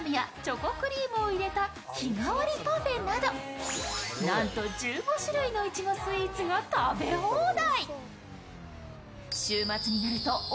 自家製のいちごジャムやチョコクリームを入れた日替わりパフェなど、なんと１５種類のいちごスイーツが食べ放題。